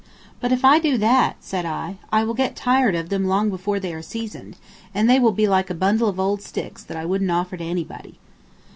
"But if I do that," said I, "I will get tired of them long before they are seasoned, and they will be like a bundle of old sticks that I wouldn't offer to anybody."